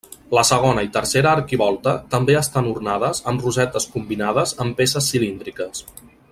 La segona i tercera arquivolta també estan ornades amb rosetes combinades amb peces cilíndriques.